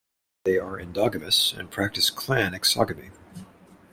They are endogamous, and practice clan exogamy.